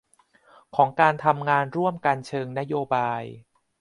ของการทำงานร่วมกันเชิงนโบาย